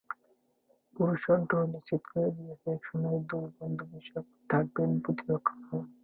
পরশুর ড্র নিশ্চিত করে দিয়েছে একসময়ের দুই বন্ধু বিশ্বকাপে থাকবেন প্রতিপক্ষ হয়ে।